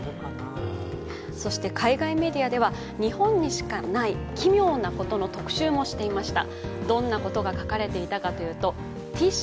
海外メディアでは日本にしかない奇妙なことの特集もしていました。